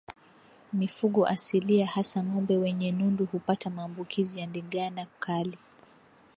Mifugo asilia hasa ngombe wenye nundu hupata maambukizi ya ndigana kali